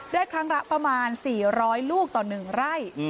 ครั้งละประมาณ๔๐๐ลูกต่อ๑ไร่